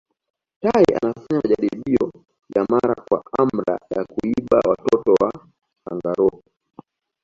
tai anafanya majaribio ya mara kwa amra ya kuiba watoto wa kangaroo